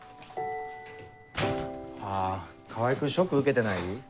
あ川合君ショック受けてない？